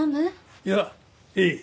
いやいい。